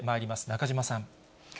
中島さん。